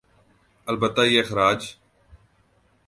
البتہ یہ اخراج